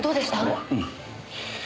うん。